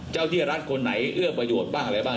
ที่รัฐคนไหนเอื้อประโยชน์บ้างอะไรบ้าง